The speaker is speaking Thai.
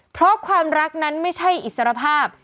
เพราะความรักนั้นไม่ใช่อิสรภาพ